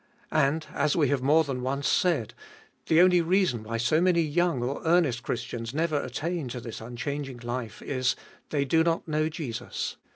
And, as we have more than once said, the only reason why so many young or earnest Christians never attain to this unchanging life is — They do not know Jesus.